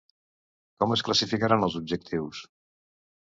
Com es classificaran els objectius?